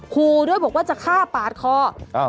ครูด้วยบอกว่าจะฆ่าปาดคอ